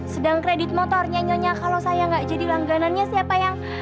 sedang kredit motor nya nyonya kalau saya nggak jadi langganannya siapa yang